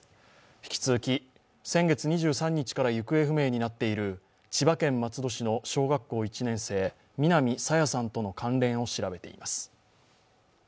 引き続き、先月２３日から行方不明になっている千葉県松戸市の小学校１年生、南朝芽さんとの関連を調べています。